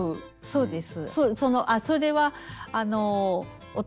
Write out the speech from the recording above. そうです。